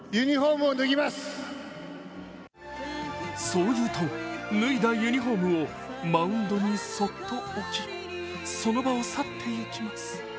そう言うと、脱いだユニフォームをマウンドにそっと置きその場を去っていきます。